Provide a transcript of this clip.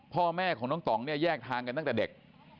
พ่อแม่ของน้องต่องเนี่ยแยกทางกันตั้งแต่เด็ก